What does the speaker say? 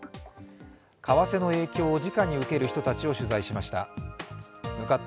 為替の影響をじかに受ける人たちを取材しました。